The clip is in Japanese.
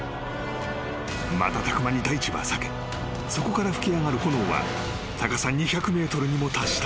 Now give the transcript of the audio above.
［瞬く間に大地は裂けそこから噴き上がる炎は高さ２００ｍにも達した］